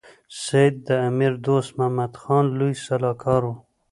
سید د امیر دوست محمد خان لوی سلاکار وو.